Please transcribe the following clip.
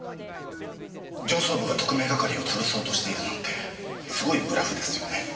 上層部が特命係を潰そうとしているなんてすごいブラフですよね。